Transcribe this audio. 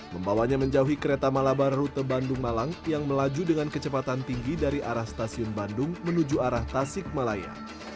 membawanya menjauhi kereta malabar rute bandung malang yang melaju dengan kecepatan tinggi dari arah stasiun bandung menuju arah tasik malaya